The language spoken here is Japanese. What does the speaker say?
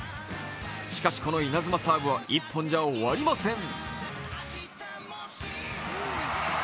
しかし、この稲妻サーブは１本じゃ終わりません。